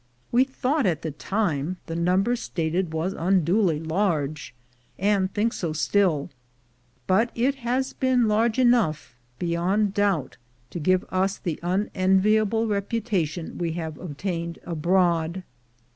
We thought at the time the number stated was unduly large, and think so still; but it has been large enough, beyond doubt, to give us the unenviable reputation we have obtained abroad.